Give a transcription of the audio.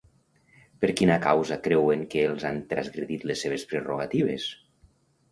Per quina causa creuen que els han transgredit les seves prerrogatives?